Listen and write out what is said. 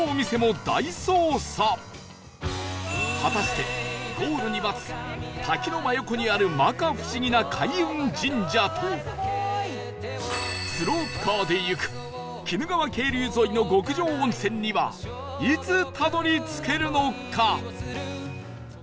果たしてゴールに待つ滝の真横にある摩訶不思議な開運神社とスロープカーで行く鬼怒川渓流沿いの極上温泉にはいつたどり着けるのか？